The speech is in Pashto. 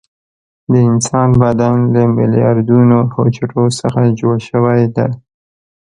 د انسان بدن له میلیاردونو حجرو څخه جوړ شوى ده.